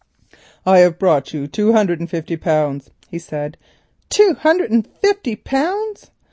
"I have brought you two hundred and fifty pounds," he said. "Two hundred and fifty pounds!"